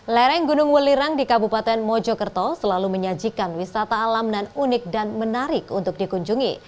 lereng gunung welirang di kabupaten mojokerto selalu menyajikan wisata alam dan unik dan menarik untuk dikunjungi